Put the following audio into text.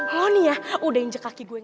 mau nih ya udah injek kaki gue